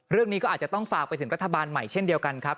เรื่องนี้ก็อาจจะต้องฝากไปถึงรัฐบาลใหม่เช่นเดียวกันครับ